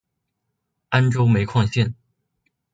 安州煤矿线